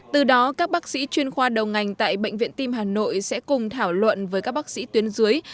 từ đó các bác sĩ chuyên khoa đầu ngành tại bệnh viện tim hà nội sẽ cùng thảo luận với các bác sĩ tuyến dưới